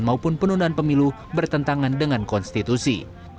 maupun penundaan pemilu bertentangan dengan konstitusi